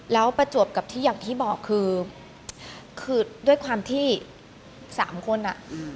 แล้วประจวบกับที่อย่างที่บอกคือคือด้วยความที่สามคนอ่ะ